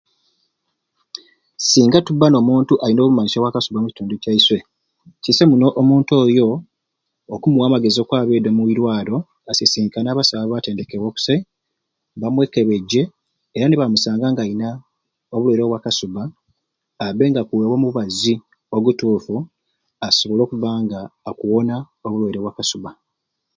Singa tubba n'omuntu alina obumanyisyo bwa kasubba omukitundu kyaiswe kisai muno omuntu oyo okumuwa amagezi okwaba edi omwirwaro asisinkane abasawu abatendekeibwe okusai bamwekebejje era ni bamusanga nga alina obulwaire obwa kasubba abbe nga akuweebwa omubazi ogutuufu asobole okubba nga akuwona obulwaire bwa kasubba.